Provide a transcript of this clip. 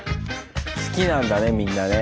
好きなんだねみんなね。